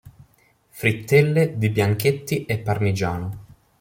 Frittelle di bianchetti e parmigiano.